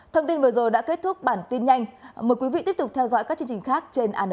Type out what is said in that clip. thông tin vừa rồi đã kết thúc bản tin nhanh mời quý vị tiếp tục theo dõi các chương trình khác trên annt